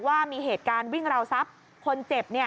ว่ามีเหตุการณ์วิ่งราวทรัพย์คนเจ็บเนี่ย